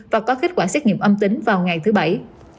và có kết quả xét nghiệm âm tính vào ngày thứ bảy